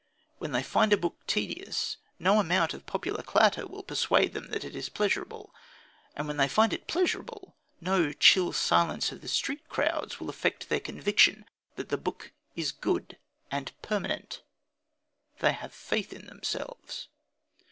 When they find a book tedious, no amount of popular clatter will persuade them that it is pleasurable; and when they find it pleasurable no chill silence of the street crowds will affect their conviction that the book is good and permanent. They have faith in themselves.